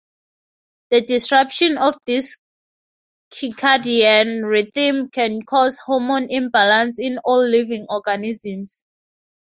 The disruption of this circadian rhythm can cause hormone imbalance in all living organisms.